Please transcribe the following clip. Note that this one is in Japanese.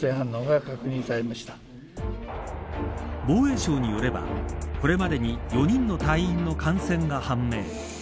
防衛省によればこれまでに４人の隊員の感染が判明。